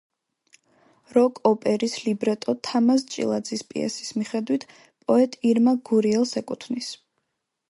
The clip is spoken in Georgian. როკ-ოპერის ლიბრეტო თამაზ ჭილაძის პიესის მიხედვით პოეტ ირმა გურიელს ეკუთვნის.